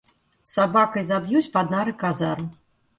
Собакой забьюсь под нары казарм!